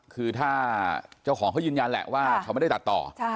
คือถ้าเจ้าของเขายืนยันแหละว่าเขาไม่ได้ตัดต่อ